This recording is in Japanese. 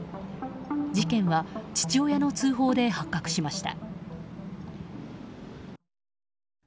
事件は父親の通報で発覚しました。